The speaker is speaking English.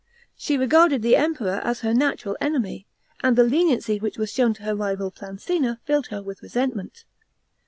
She regarded the Emperor as her natural enemy, and the leniency which was shown to her rival Plancina filled her with resent ment.